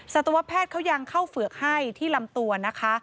สัตวแพทย์เขายังเข้าเฝือกให้ที่ลำตัวนะคะ